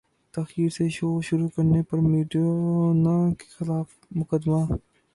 تاخیر سے شو شروع کرنے پر میڈونا کے خلاف مقدمہ